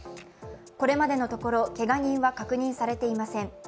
これまでのところけが人は確認されていません。